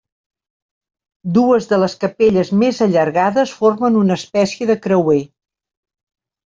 Dues de les capelles més allargades formen una espècie de creuer.